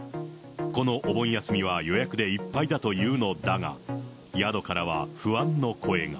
このお盆休みは予約でいっぱいだというのだが、宿からは不安の声が。